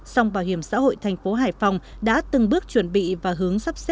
song bảo hiểm xã hội thành phố hải phòng đã từng bước chuẩn bị và hướng sắp xếp